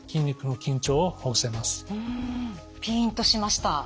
うんピンとしました。